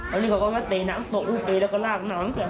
วันนี้เขาก็มาเตะน้ำตกอุ๊บเบบ้แล้วก็รากน้ำกัน